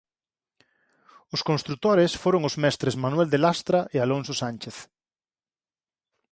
Os construtores foron os mestres Manuel de Lastra e Alonso Sánchez.